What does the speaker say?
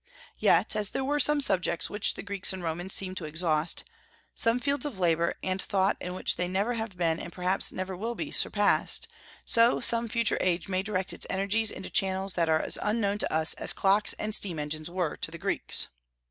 Yet as there were some subjects which the Greeks and Romans seemed to exhaust, some fields of labor and thought in which they never have been and perhaps never will be surpassed, so some future age may direct its energies into channels that are as unknown to us as clocks and steam engines were to the Greeks.